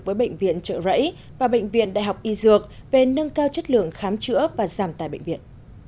với bệnh viện trợ rẫy và bệnh viện đại học y dược về nâng cao chất lượng khám chữa và giảm tài bệnh viện